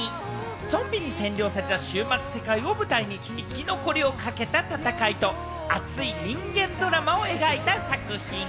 ゾンビに占領された終末世界を舞台に、生き残りをかけた戦いと、熱い人間ドラマを描いた作品。